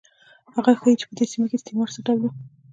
هغه ښيي چې په دې سیمه کې استعمار څه ډول و.